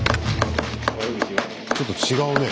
ちょっと違うね